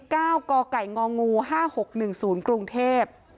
กไก่งองู๕๖๑๐กรุงเทพฯ